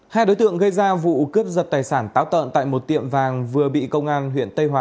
hai đối tượng gây ra vụ cướp giật tài sản táo tợn tại một tiệm vàng vừa bị công an huyện tây hòa